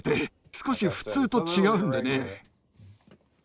少し普通と違うんでね。